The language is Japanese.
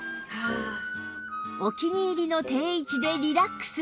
お気に入りの定位置でリラックス